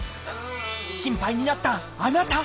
心配になったあなた！